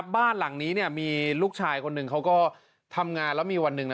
บ้านหลังนี้มีลูกชายคนหนึ่งเขาก็ทำงานแล้วมีวันหนึ่งนะ